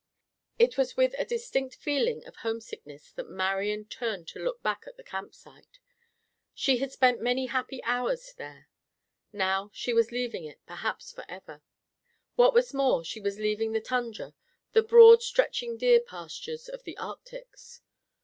It was with a distinct feeling of homesickness that Marian turned to look back at the campsite. She had spent many happy hours there. Now she was leaving it, perhaps forever. What was more, she was leaving the tundra; the broad stretching deer pastures of the Arctics.